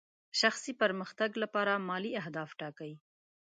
شخصي پرمختګ لپاره مالي اهداف ټاکئ.